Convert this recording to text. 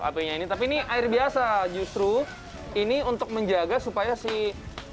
apinya ini tapi ini air biasa justru ini untuk menjaga supaya si